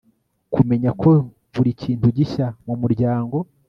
kumenya ko buri kintu gishya mu muryango